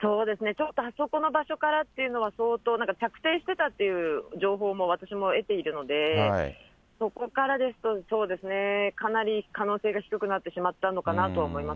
ちょっとあそこの場所からっていうのは、相当なんか、着床してたって情報も私も得ているので、そこからですと、そうですね、かなり可能性が低くなってしまったのかなとは思います。